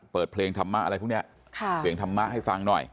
เปิดเพลงธรรมะอะไรพวกนี้เสียงธรรมะให้ฟังหน่อย